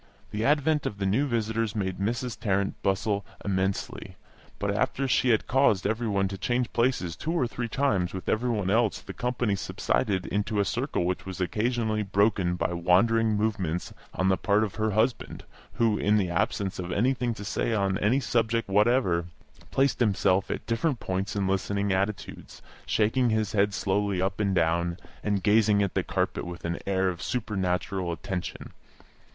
The advent of the new visitors made Mrs. Tarrant bustle immensely; but after she had caused every one to change places two or three times with every one else the company subsided into a circle which was occasionally broken by wandering movements on the part of her husband, who, in the absence of anything to say on any subject whatever, placed himself at different points in listening attitudes, shaking his head slowly up and down, and gazing at the carpet with an air of supernatural attention.